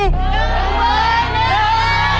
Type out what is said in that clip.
๑โบนัส